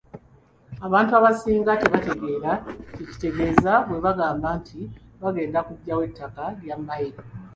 Abantu abasinga tebategeera kye kitegeeza bwe bagamba nti bagenda kuggyawo ettaka lya mmayiro.